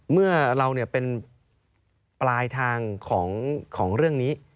เมื่อเราเป็นปลายทางของเรื่องนี้